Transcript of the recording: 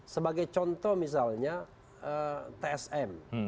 sebagai contoh misalnya tsm